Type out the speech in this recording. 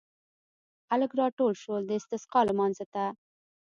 خلک راټول شول د استسقا لمانځه ته.